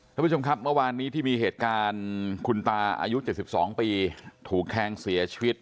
ท่านผู้ชมครับเมื่อวานนี้ที่มีเหตุการณ์คุณตาอายุ๗๒ปีถูกแทงเสียชีวิต